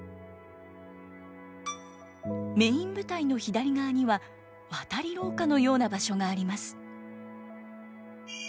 メイン舞台の左側には渡り廊下のような場所があります。